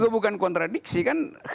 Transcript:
juga bukan kontradiksi kan